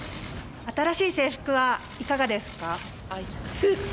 新しい制服はいかがですか？